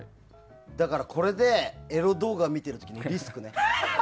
だから、これでエロ動画見てる時のリスクね。